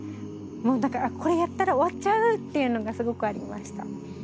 もう何かこれやったら終わっちゃうっていうのがすごくありました。